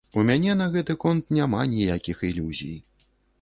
У мяне на гэты конт няма ніякіх ілюзій.